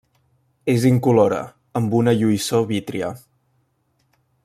És incolora, amb una lluïssor vítria.